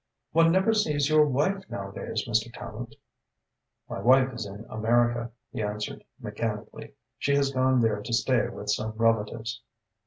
"One never sees your wife, nowadays, Mr. Tallente." "My wife is in America." he answered mechanically. "She has gone there to stay with some relatives."